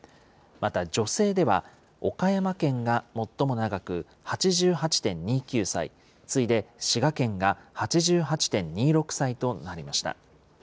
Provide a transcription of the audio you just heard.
また女性では、岡山県が最も長く、８８．２９歳、次いで滋賀県が８８．２６歳となりました。